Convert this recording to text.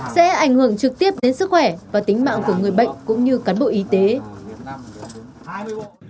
sẽ ảnh hưởng trực tiếp đến sức khỏe và tính mạng của người bệnh cũng như cán bộ y tế